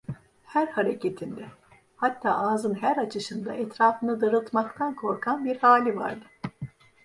Her hareketinde, hatta ağzını her açışında, etrafını darıltmaktan korkan bir hali vardı.